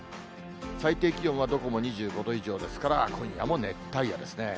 最低気温はどこも２５度以上ですから、今夜も熱帯夜ですね。